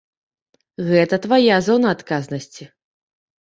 Гэта твая зона адказнасці.